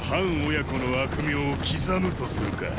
親子の悪名を刻むとするか。